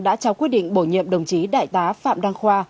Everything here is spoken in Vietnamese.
đã trao quyết định bổ nhiệm đồng chí đại tá phạm đăng khoa